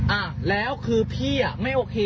อ่ะแล้วคือพี่อ่ะไม่โอเค